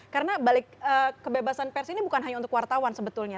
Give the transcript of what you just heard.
karena balik kebebasan pers ini bukan hanya untuk wartawan sebetulnya